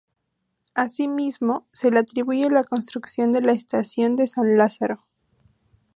Así mismo, se le atribuye la construcción de la estación de San Lázaro.